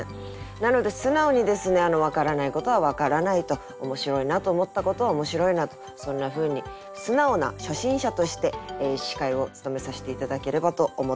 なので素直にですね分からないことは分からないと面白いなと思ったことは面白いなとそんなふうに素直な初心者として司会を務めさせて頂ければと思っております。